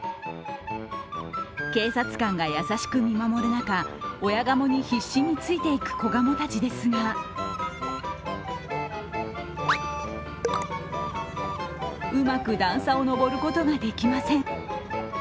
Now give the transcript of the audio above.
警察官が優しく見守る中、親ガモに必死についていく子ガモたちですが、うまく段差を上ることができません。